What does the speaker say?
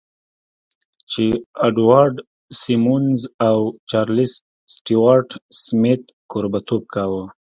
جې اډوارډ سیمونز او چارلیس سټیوارټ سمیت کوربهتوب کاوه